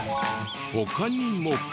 他にも。